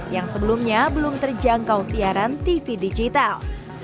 yang sebelumnya belum terjangkau siaran tv digital